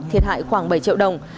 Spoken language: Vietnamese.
thiệt hại khoảng bảy triệu đồng